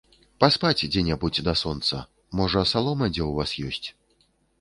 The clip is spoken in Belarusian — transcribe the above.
Паспаць дзе-небудзь да сонца, можа, салома дзе ў вас ёсць?